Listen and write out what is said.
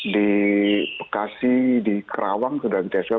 di bekasi di kerawang sudah kita siapkan